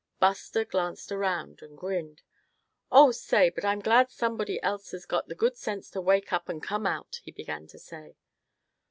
Buster glanced around, and grinned. "Oh! say, but I'm glad somebody else has had the good sense to wake up, and come out," he began to say.